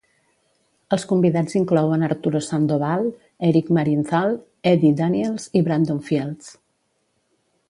Els convidats inclouen Arturo Sandoval, Eric Marienthal, Eddie Daniels i Brandon Fields.